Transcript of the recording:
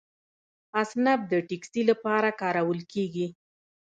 اسنپ د ټکسي لپاره کارول کیږي.